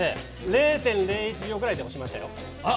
０．０１秒ぐらいで押しましたよ。